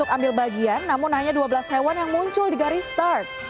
untuk ambil bagian namun hanya dua belas hewan yang muncul di garis start